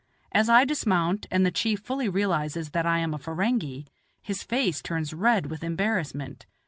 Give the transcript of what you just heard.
As I dismount, and the chief fully realizes that I am a Ferenghi, his face turns red with embarrassment.